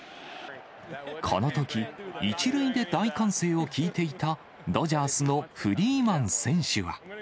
このとき、１塁で大歓声を聞いていた、ドジャースのフリーマン選手は。